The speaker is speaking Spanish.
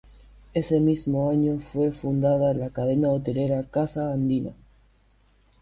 Ese mismo año fue fundada la cadena hotelera Casa Andina.